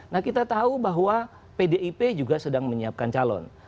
nah kita tahu bahwa pdip juga sedang menyiapkan calon